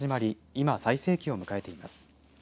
今、最盛期を迎えています。